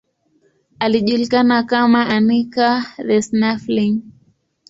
Alijulikana kama Anica the Snuffling.